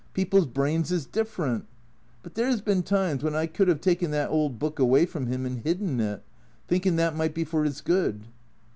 People's brains is dif ferent. But there 's been times when I could have taken that old book away from him and hidden it, thinkin' that might be for his good."